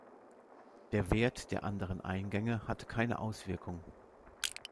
Der Wert der anderen Eingänge hat keine Auswirkung.